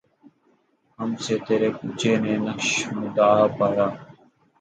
ہم سے تیرے کوچے نے نقش مدعا پایا